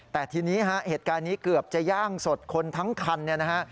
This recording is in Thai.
แต่ทีนี้ฮะเหตุการณ์นี้เกือบจะย่างสดคนทั้งคันเนี่ยนะฮะ